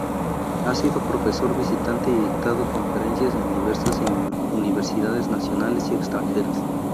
Ha sido profesor visitante y dictado conferencias en diversas universidades nacionales y extranjeras.